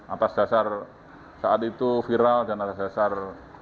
atas dasar saat itu viral dan atas dasar